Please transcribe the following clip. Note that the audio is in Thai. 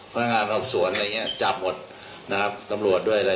พนักงานสอบสวนอะไรอย่างเงี้ยจับหมดนะครับตำรวจด้วยอะไร